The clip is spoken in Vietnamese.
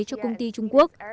cho công ty trung quốc